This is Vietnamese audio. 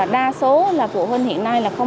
đa số là phụ huynh hiện nay là không